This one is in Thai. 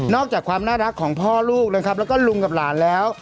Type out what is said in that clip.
อกจากความน่ารักของพ่อลูกนะครับแล้วก็ลุงกับหลานแล้ว